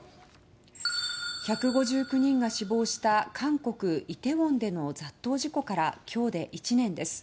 １５９人が死亡した韓国イテウォンでの雑踏事故から今日で１年です。